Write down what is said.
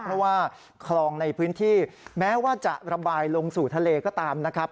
เพราะว่าคลองในพื้นที่แม้ว่าจะระบายลงสู่ทะเลก็ตามนะครับ